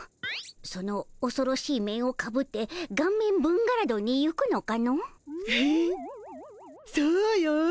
そのおそろしい面をかぶってガンメンブンガラドンに行くのかの？へへそうよ。